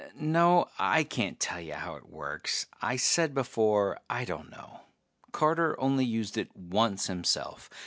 No, I can't tell you how it works I said before I don't know. Carter only used it once himself.